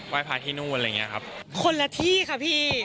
ไว้พาร์ทที่นู่นอะไรอย่างนี้ครับ